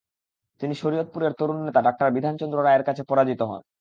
তিনি শরীয়তপুরের তরুন নেতা ডাঃ বিধান চন্দ্র রায়ের কাছে পরাজিত হন।